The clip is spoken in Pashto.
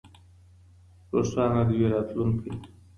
روښانه دې وي راتلونکی.